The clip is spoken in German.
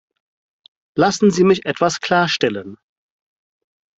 Lassen Sie mich etwas klarstellen.